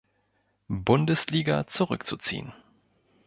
Bundesliga zurückzuziehen.